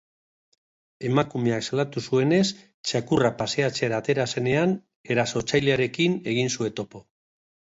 Emakumeak salatu zuenez, txakurra paseatzera atera zenean, erasotzailearekin egin zuen topo.